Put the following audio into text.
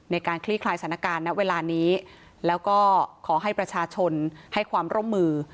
คลี่คลายสถานการณ์ณเวลานี้แล้วก็ขอให้ประชาชนให้ความร่วมมือ